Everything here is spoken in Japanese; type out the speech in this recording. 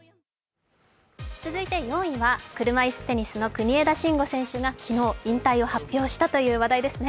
続いて４位は車いすテニスの国枝慎吾選手が昨日引退を発表したという話題ですね。